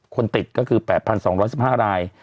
คนติดก็คือ๘๒๑๕ราย